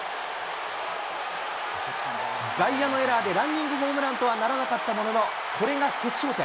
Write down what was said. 外野のエラーでランニングホームランとはならなかったもののこれが決勝点。